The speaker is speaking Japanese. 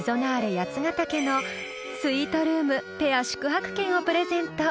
八ヶ岳のスイートルームペア宿泊券をプレゼント］